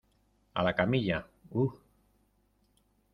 a la camilla. ¡ uh!